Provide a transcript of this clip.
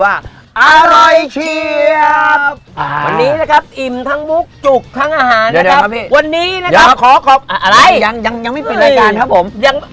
อะไรมากยังไม่ปิดรายการครับผม